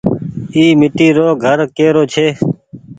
اي ميٽي رو گهر ڪي رو ڇي۔